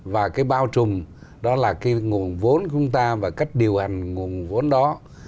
và cái bao trùm đó là cái nguồn vốn của chúng ta và cách điều hành nguồn vốn đó